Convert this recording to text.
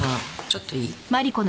ちょっといい？